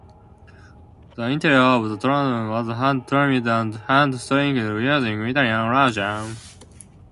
The interior of the Tramonto was hand trimmed and hand stitched using Italian leather.